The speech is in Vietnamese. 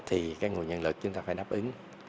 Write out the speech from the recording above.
thì cái nguồn nhân lực chúng ta phải đáp ứng